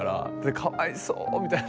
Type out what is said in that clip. かわいそうみたいな。